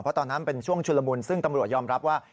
เพราะตอนนั้นเป็นช่วงชุลมุนซึ่งตำรวจยอมรับว่า